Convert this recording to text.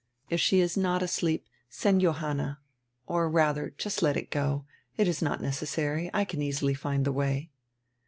If she is not asleep send Johanna. Or, ratiier, just let it go. It is not necessary; I can easily find die way."